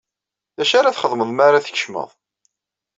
Dacu ara txedmeḍ mara tkecmeḍ?